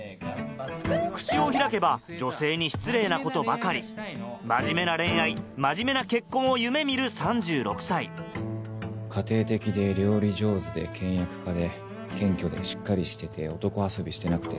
口を開けば女性に失礼なことばかり真面目な恋愛真面目な結婚を夢見る３６歳家庭的で料理上手で倹約家で謙虚でしっかりしてて男遊びしてなくて。